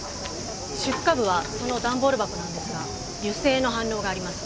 出火部はそのダンボール箱なんですが油性の反応があります。